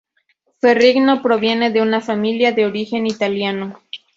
Ferrigno proviene de una familia de origen italiano.